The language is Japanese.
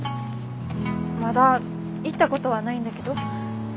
まだ行ったことはないんだけど。